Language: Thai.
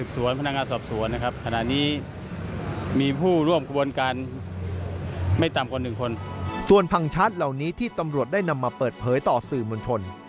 ส่วนพังชาร์จเหล่านี้ที่ตำรวจได้นำมาเปิดเผยต่อสื่อมวลชน